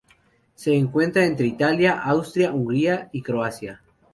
Se encuentra entre Italia, Austria, Hungría, y Croacia.